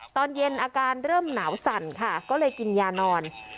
ตอนเย็นอาการเริ่มหนาวสั่นค่ะก็เลยกินยานอน